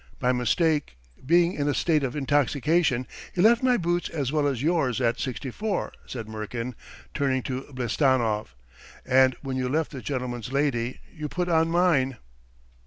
By mistake, being in a state of intoxication, he left my boots as well as yours at 64," said Murkin, turning to Blistanov, "and when you left this gentleman's lady you put on mine."